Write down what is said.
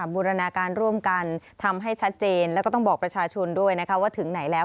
บูรณาการร่วมกันทำให้ชัดเจนแล้วก็ต้องบอกประชาชนด้วยนะคะว่าถึงไหนแล้ว